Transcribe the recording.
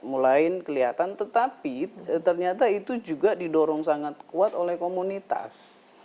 mulai kelihatan tetapi ternyata itu juga didorong sangat kuat oleh komunitas